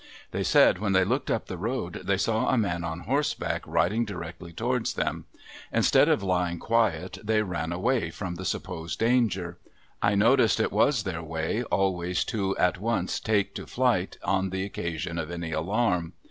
They said when they looked up the road they saw a man on horseback riding directly towards them. Instead of lying quiet they ran away from the supposed danger. I noticed it was their way always to at once take to flight on the occasion of any alarm.